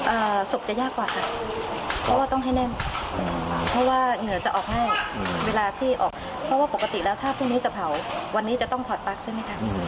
ศพจะยากกว่าค่ะเพราะว่าต้องให้แน่นอืมเพราะว่าเหนือจะออกให้อืมเวลาที่ออกเพราะว่าปกติแล้วถ้าพรุ่งนี้จะเผาวันนี้จะต้องถอดปลั๊กใช่ไหมคะ